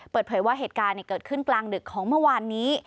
เปิดเผยว่าเหตุการณ์เกิดขึ้นกลางดึกของเมื่อวานนี้